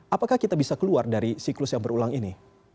apakah kita bisa keluar dari siklus yang berulang ini